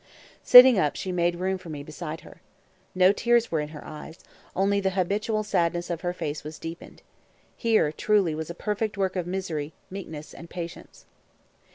Sitting up, she made room for me beside her. No tears were in her eyes; only the habitual sadness of her face was deepened. Here, truly, was a perfect work of misery, meekness, and patience.